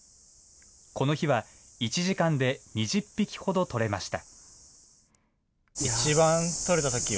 この日は１時間で２０匹ほどとれました。